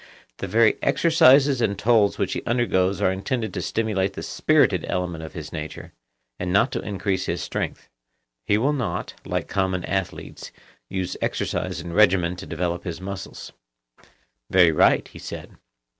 The very exercises and tolls which he undergoes are intended to stimulate the spirited element of his nature, and not to increase his strength; he will not, like common athletes, use exercise and regimen to develope his muscles. Very right, he said.